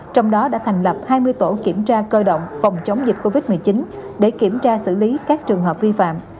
trong đó đã thành lập hai mươi tổ kiểm tra cơ động phòng chống dịch covid một mươi chín để kiểm tra xử lý các trường hợp vi phạm